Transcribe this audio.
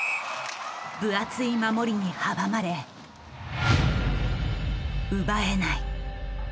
分厚い守りに阻まれ奪えない。